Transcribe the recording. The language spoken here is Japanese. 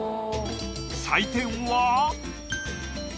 採点は。